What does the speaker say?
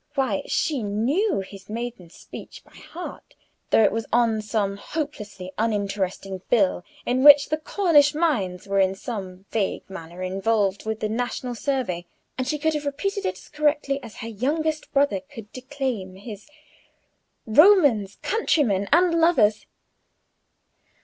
Why, she knew his maiden speech by heart, though it was on some hopelessly uninteresting bill in which the Cornish mines were in some vague manner involved with the national survey, and she could have repeated it as correctly as her youngest brother could declaim to his "Romans, countrymen, and lovers."